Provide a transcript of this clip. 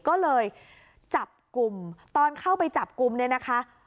ก็เลยจับกลุ่มตอนเข้าไปจับกลุ่มเนี่ยนะคะ